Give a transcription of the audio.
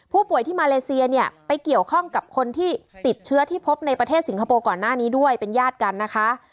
ผู้ป่วยที่มาเลเซียเนี่ยไปเกี่ยวข้องกับคนที่ติดเชื้อที่พบในประเทศสิงคโปร์ก่อนหน้านี้ด้วยเป็นญาติกันนะคะ